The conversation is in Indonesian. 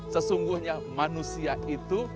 sesungguhnya manusia itu